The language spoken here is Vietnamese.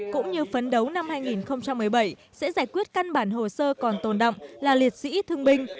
cũng như phấn đấu năm hai nghìn một mươi bảy sẽ giải quyết căn bản hồ sơ còn tồn động là liệt sĩ thương binh